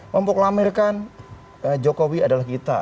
mempukulamirkan jokowi adalah kita